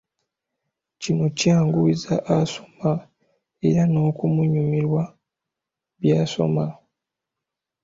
Kino kyanguyiza asoma era n'okunyumirwa by'aba asoma.